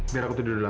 biar kak fadil aja